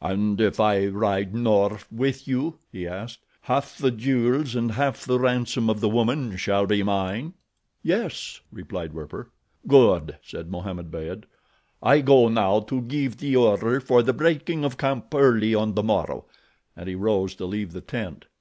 "And if I ride north with you," he asked, "half the jewels and half the ransom of the woman shall be mine?" "Yes," replied Werper. "Good," said Mohammed Beyd. "I go now to give the order for the breaking of camp early on the morrow," and he rose to leave the tent.